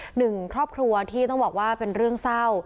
หนึ่งครอบครัวที่ต้องบอกว่าเป็นเรื่องเศร้า